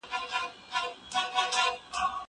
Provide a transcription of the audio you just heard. زه پرون د ښوونځی لپاره امادګي نيسم وم!